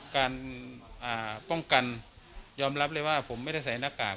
การป้องกันยอมรับเลยว่าผมไม่ได้ใส่หน้ากาก